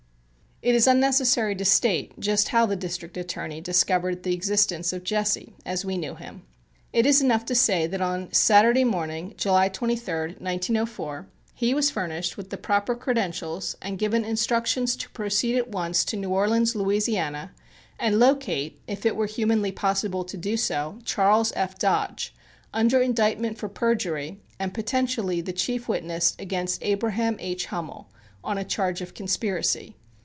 It is unnecessary to state just how the District Attorney discovered the existence of "Jesse," as we knew him. It is enough to say that on Saturday morning, July 23, 1904, he was furnished with the proper credentials and given instructions to proceed at once to New Orleans, Louisiana, and "locate," if it were humanly possible to do so, Charles F. Dodge, under indictment for perjury, and potentially the chief witness against Abraham H. Hummel, on a charge of conspiracy.